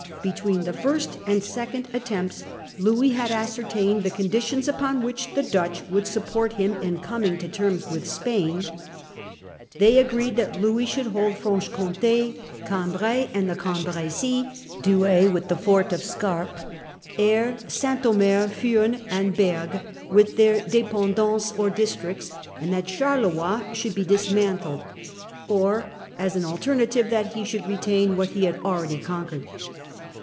Between the first and second attempts Louis had ascertained the conditions upon which the Dutch would Agreement support him in coming to terms with Spain, of Louis and They agreed that Louis should hold Franche The^aUer Comte, Cambrai and the Cambresis, Douai, natives.' (with the fort of Scarpe), Aire, St. Omcr, Furnes, and Bergues, with their ddpendartces or dis tricts ; and that Charleroi should be dismantled ; or, as an alternative, that he should retain what he had already conquered.